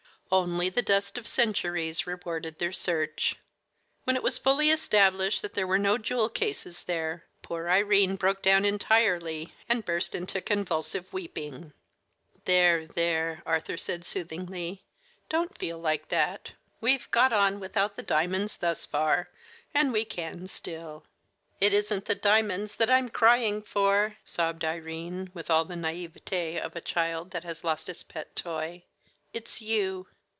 Only the dust of centuries rewarded their search. When it was fully established that there were no jewel cases there, poor Irene broke down entirely, and burst into convulsive weeping. "There, there," Arthur said soothingly. "Don't feel like that. We've got on without the diamonds thus far, and we can still." "It is n't the diamonds that I'm crying for," sobbed Irene, with all the naïveté of a child that has lost its pet toy. "It's you!"